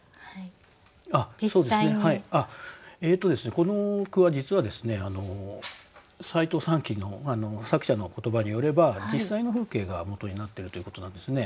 この句は実はですね西東三鬼の作者の言葉によれば実際の風景がもとになってるということなんですね。